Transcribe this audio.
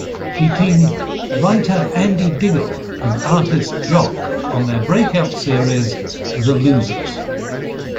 He teamed writer Andy Diggle and artist Jock on their breakout series The Losers.